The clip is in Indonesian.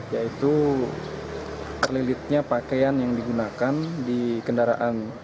yaitu terlilitnya pakaian yang digunakan di kendaraan korban sehingga mengakibatkan korban terjatuh